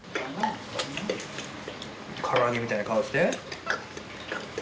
から揚げみたいな顔して？